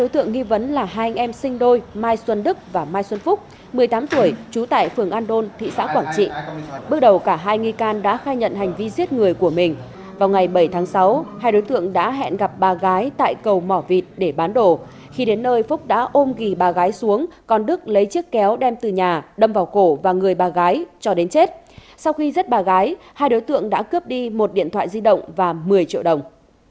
một mươi tám tuổi trú tại phường andôn thị xã quảng trị bước đầu cả hai nghi can đã khai nhận hành vi giết người của mình vào ngày bảy tháng sáu hai đối tượng đã hẹn gặp ba gái tại cầu mỏ vịt để bán đồ khi đến nơi phúc đã ôm ghi ba gái xuống còn đức lấy chiếc kéo đem từ nhà đâm vào cổ và người ba gái cho đến chết sau khi giết ba gái hai đối tượng đã cướp đi một điện thoại di động và một mươi triệu đồng